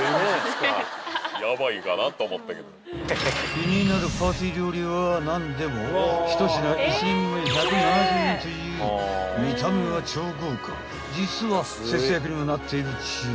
［気になるパーティー料理は何でも１品１人前１７０円という見た目は超豪華実は節約にもなっているっちゅう］